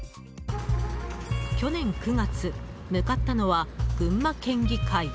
去年９月向かったのは群馬県議会。